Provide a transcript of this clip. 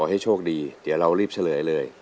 ให้โชคดีเดี๋ยวเรารีบเฉลยเลย